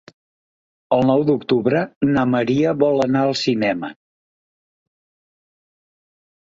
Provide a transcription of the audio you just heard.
El nou d'octubre na Maria vol anar al cinema.